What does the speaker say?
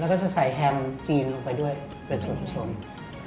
แล้วก็จะใส่แฮมจีนลงไปด้วยเป็นชม